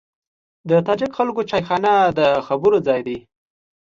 د تاجک خلکو چایخانه د خبرو ځای دی.